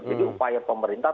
jadi upaya pemerintah